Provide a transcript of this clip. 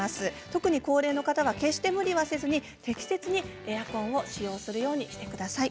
特に高齢の方は決して無理はせず適切にエアコンを使用するようにしてください。